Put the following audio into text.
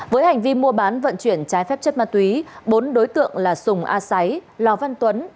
với hành vi mua bán vận chuyển trái phép chất ma túy bốn đối tượng là sùng a sáy lò văn tuấn